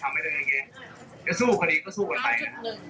จะสู้พอดีก็สู้ก่อนไปนะครับ